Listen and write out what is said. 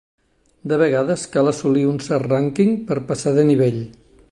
De vegades, cal assolir un cert rànquing per passar de nivell.